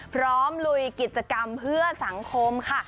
ลุยกิจกรรมเพื่อสังคมค่ะ